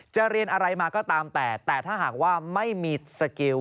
เรียนอะไรมาก็ตามแต่แต่ถ้าหากว่าไม่มีสกิล